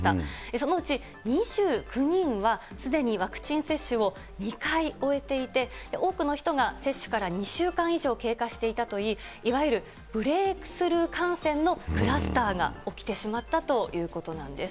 そのうち、２９人はすでにワクチン接種を２回終えていて、多くの人が接種から２週間以上経過していたといい、いわゆるブレイクスルー感染のクラスターが起きてしまったということなんです。